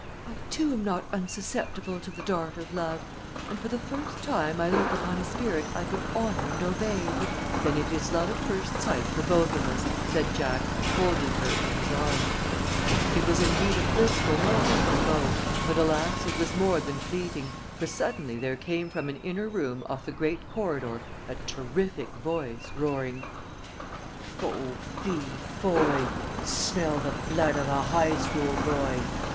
"I too am not unsusceptible to the dart of love, and for the first time I look upon a spirit I could honor and obey, but " "Then it is love at first sight for both of us," said Jack, folding her in his arms. It was indeed a blissful moment for both, but alas! it was more than fleeting, for suddenly there came from an inner room off the great corridor a terrific voice, roaring: "FEE FO FI FOY! I SMELL THE BLOOD OF A HIGH SCHOOL BOY.